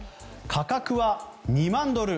価格は２万ドル